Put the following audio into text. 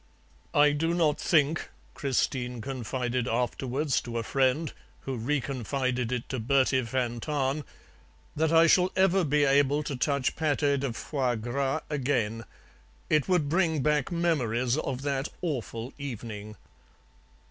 "'I do not think,' Christine confided afterwards to a friend, who re confided it to Bertie van Tahn, 'that I shall ever be able to touch PATÉ DE FOIE GRAS again. It would bring back memories of that awful evening.'